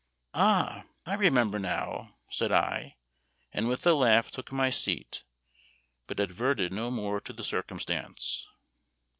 "Ah! I remember now," said I, and with a laugh took my seat, but adverted no more to the circumstance.